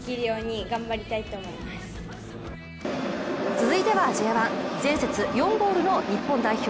続いてはＪ１、前節４ゴールの日本代表